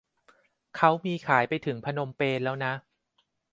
เขามีขายไปถึงพนมเปญแล้วนะ